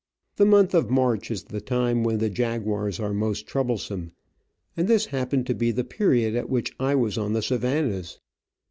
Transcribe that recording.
The month of March is the time when the jaguars are most troublesome, and this happened to be the period at which I was on the savannas.